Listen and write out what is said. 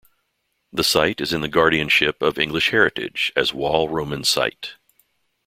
The site is in the guardianship of English Heritage as Wall Roman Site.